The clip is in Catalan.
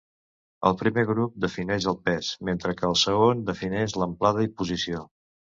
El primer grup defineix el pes, mentre que el segon defineix l'amplada i posició.